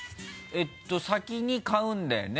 えっと先に買うんだよね？